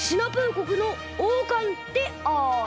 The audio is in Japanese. こくのおうかんである。